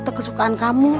atau kesukaan kamu